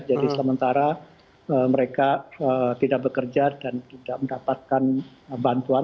sementara mereka tidak bekerja dan tidak mendapatkan bantuan